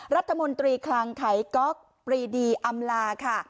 รัฐมนตรีคลังไขก๊อกปรีดีอำลาค่ะ